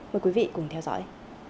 mời quý vị cùng theo dõi